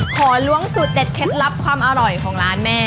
ล้วงสูตรเด็ดเคล็ดลับความอร่อยของร้านแม่